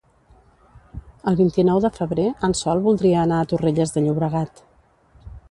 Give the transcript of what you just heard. El vint-i-nou de febrer en Sol voldria anar a Torrelles de Llobregat.